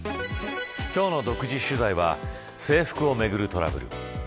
今日の独自取材は制服をめぐるトラブル。